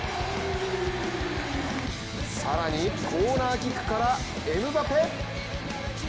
更に、コーナーキックからエムバペ。